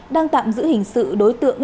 đang tạm giữ hình sự đối tượng